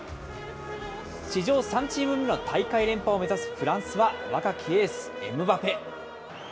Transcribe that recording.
史上３チーム目の大会連覇を目指すフランスは若きエース、エムバペ。